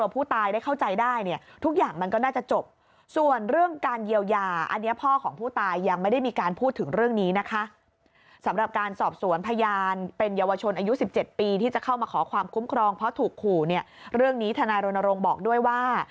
เพราะถูกขุเรื่องนี้ธนาโรณรงค์บอกด้วยว่า